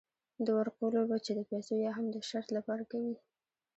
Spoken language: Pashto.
د ورقو لوبه چې د پیسو یا هم د شرط لپاره کوي.